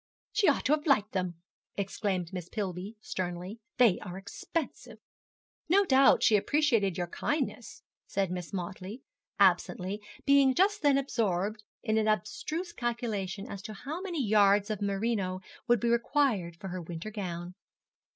'She ought to have liked them,' exclaimed Miss Pillby, sternly. 'They are very expensive.' 'No doubt she appreciated your kindness,' said Miss Motley, absently, being just then absorbed in an abstruse calculation as to how many yards of merino would be required for her winter gown.